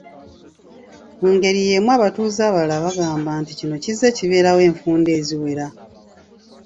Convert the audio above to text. Mu ngeri y'emu abatuuze abalala bagamba nti kino kizze kibeerawo enfunda eziwera.